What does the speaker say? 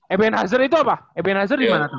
eben hazer itu apa eben hazer di manado